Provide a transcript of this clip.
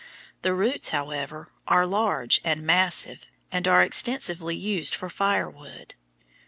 The roots, however, are large and massive, and are extensively used for firewood.